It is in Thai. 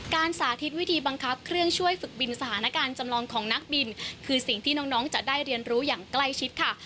สาธิตวิธีบังคับเครื่องช่วยฝึกบินสถานการณ์จำลองของนักบินคือสิ่งที่น้องจะได้เรียนรู้อย่างใกล้ชิดค่ะ